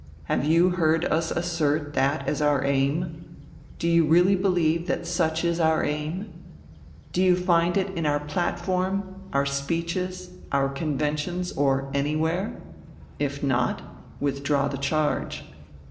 Have you heard us assert that as our aim? Do you really believe that such is our aim? Do you find it in our platform, our speeches, our conventions, or anywhere? If not, withdraw the charge.